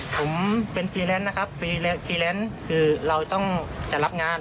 ผมเป็นฟรีแลนซ์นะครับฟรีแลนซ์คือเราต้องจะรับงาน